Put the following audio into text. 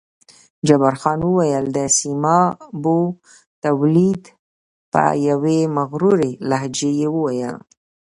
جبار خان وویل: د سیمابو تولید، په یوې مغرورې لهجې یې وویل.